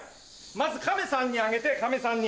まずカメさんにあげてカメさんに。